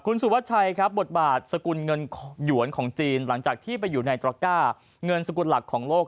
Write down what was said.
คุณสุวัชชัยครับบทบาทสกุลเงินหยวนของจีนหลังจากที่ไปอยู่ในตระก้าเงินสกุลหลักของโลก